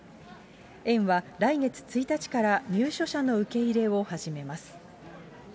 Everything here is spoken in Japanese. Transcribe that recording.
園は、来月１日から入所者の受け入れを始めます。